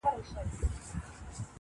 ګلاب سور دی.